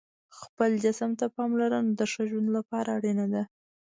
خپل جسم ته پاملرنه د ښه ژوند لپاره اړینه ده.